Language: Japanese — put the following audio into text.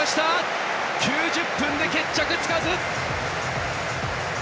９０分で決着つかず！